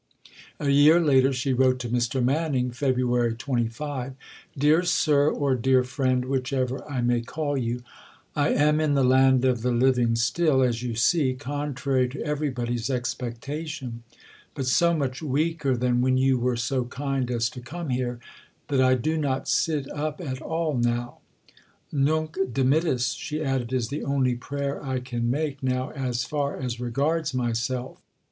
A year later she wrote to Mr. Manning (Feb. 25): "Dear Sir, or dear Friend (whichever I may call you), I am in the land of the living still, as you see, contrary to everybody's expectation, but so much weaker than when you were so kind as to come here, that I do not sit up at all now." "Nunc dimittis," she added, "is the only prayer I can make now as far as regards myself."